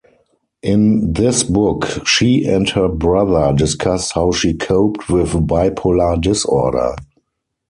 In this book she and her brother discuss how she coped with bipolar disorder.